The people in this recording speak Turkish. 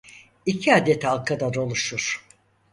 İki adet halkadan oluşur.